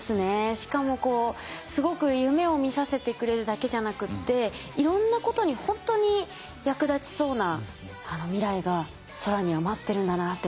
しかもこうすごく夢を見させてくれるだけじゃなくっていろんなことにほんとに役立ちそうな未来が空には待ってるんだなって思いました。